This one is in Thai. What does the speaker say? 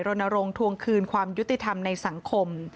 รณรงค์ทวงคืนความยุติธรรมในสังคม